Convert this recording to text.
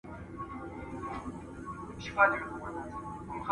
د خاطب معلومات باید ناسم نه وي.